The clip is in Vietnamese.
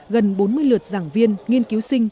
gần bốn mươi lượt giảng viên nghiên cứu sinh